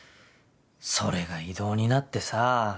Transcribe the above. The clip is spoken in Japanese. それが異動になってさぁ。